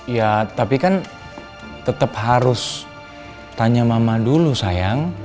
ya tapi kan tetap harus tanya mama dulu sayang